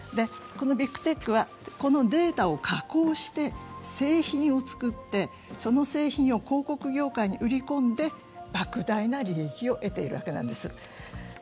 このビッグテックはこのデータを加工して製品を作って、その製品を広告業界に売り込んで莫大な利益を得ているわけなんです。